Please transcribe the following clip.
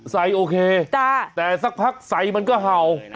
โอเคแต่สักพักใส่มันก็เห่า